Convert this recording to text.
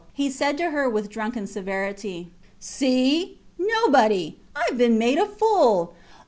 He said to her with drunken severity See? Nobody. Ive been made a fool!